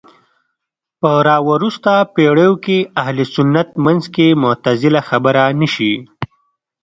په راوروسته پېړيو کې اهل سنت منځ کې معتزله خبره نه شي